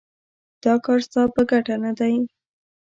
دا کار ستا په ګټه نه دی.